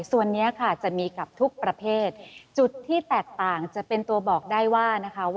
ส่วนนี้ค่ะจะมีกับทุกประเภทจุดที่แตกต่างจะเป็นตัวบอกได้ว่านะคะ